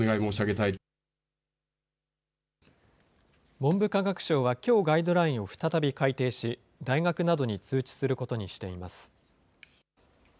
文部科学省はきょう、ガイドラインを再び改訂し、大学などに通知することにしています。